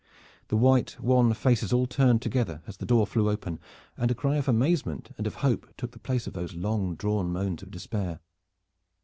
The white wan faces all turned together as the door flew open, and a cry of amazement and of hope took the place of those long drawn moans of despair.